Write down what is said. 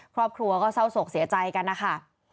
ครอบครัวก็เศร้าโศกเสียใจกันนะคะ